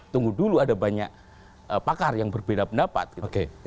tunggu dulu ada banyak pakar yang berbeda pendapat gitu